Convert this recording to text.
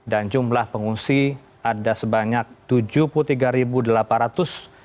dan jumlah pengungsi ada sebanyak tujuh puluh tiga delapan ratus tujuh puluh orang